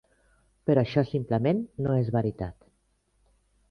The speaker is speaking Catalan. Però això simplement no és veritat.